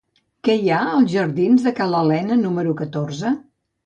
Què hi ha als jardins de Ca l'Alena número catorze?